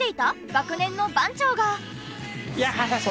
学年の番長が。